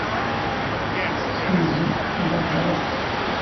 S tewzel, tella teɣleḍ.